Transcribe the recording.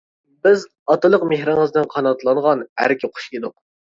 بىز ئاتىلىق مېھرىڭىزدىن قاناتلانغان «ئەركە قۇش» ئىدۇق.